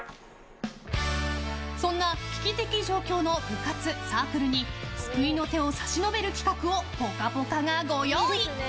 そんな危機的状況の部活・サークルに救いの手を差し伸べる企画を「ぽかぽか」がご用意。